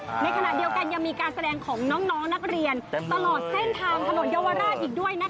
ในขณะเดียวกันยังมีการแสดงของน้องนักเรียนตลอดเส้นทางถนนเยาวราชอีกด้วยนะคะ